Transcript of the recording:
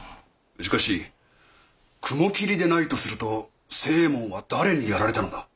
しかし雲霧でないとすると星右衛門は誰にやられたのだ？